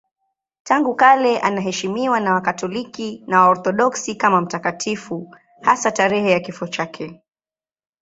Tangu kale anaheshimiwa na Wakatoliki na Waorthodoksi kama mtakatifu, hasa tarehe ya kifo chake.